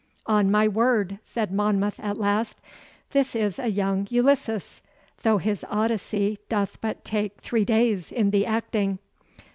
'On my word,' said Monmouth at last, 'this is a young Ulysses, though his Odyssey doth but take three days in the acting.